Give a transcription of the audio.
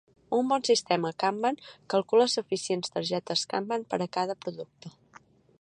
Un bon sistema kanban calcula suficients targetes kanban per a cada producte.